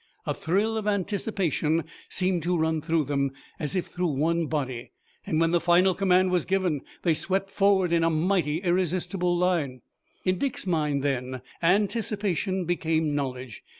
A thrill of anticipation seemed to run through them, as if through one body, and when the final command was given they swept forward in a mighty, irresistible line. In Dick's mind then anticipation became knowledge.